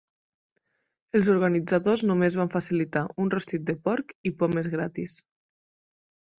Els organitzadors només van facilitar un rostit de porc i pomes gratis.